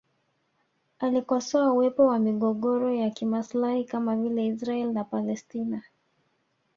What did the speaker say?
Alikosoa uwepo wa migogoro ya kimaslahi kama vile Israel na Palestina